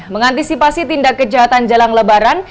mengantisipasi tindak kejahatan jelang lebaran